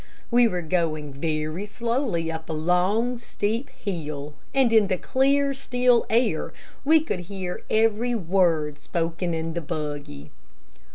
We were going very slowly up a long, steep hill, and in the clear, still air, we could hear every word spoken in the buggy.